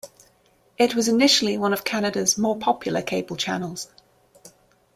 It was initially one of Canada's more popular cable channels.